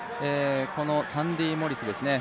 このサンディ・モリスですね